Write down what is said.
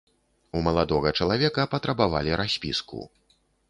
У маладога чалавека патрабавалі распіску.